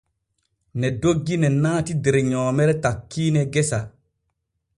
Ne doggi ne naati der nyoomere takkiine gesa.